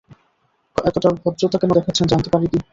এতটা ভদ্রতা কেন দেখাচ্ছেন জানতে পারি কি?